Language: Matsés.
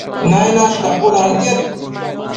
Nainash caputantiad